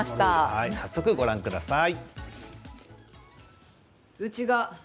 早速ご覧ください。